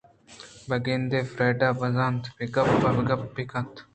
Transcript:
بہ گندے فریڈا برانّز بہ گپیتءُ گپے بہ کنت